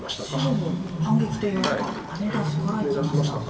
白も反撃といいますかハネ出しからいきました。